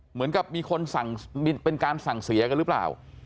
เหมือนกับมีคนสั่งเป็นการสั่งเสียกันหรือเปล่า